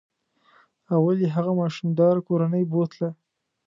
اول یې هغه ماشوم داره کورنۍ بوتله.